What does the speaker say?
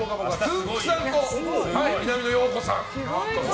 つんく♂さんと南野陽子さん。